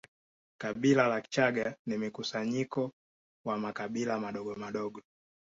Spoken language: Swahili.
Kabila la Kichaga ni mkusanyiko wa makabila madogomadogo